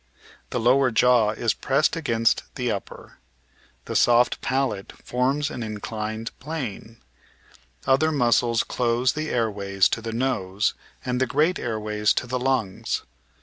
The lower jaw is pressed against the upper. The soft palate forms an inclined plane. Other muscles close the air ways to the nose and the great airways to the lungs.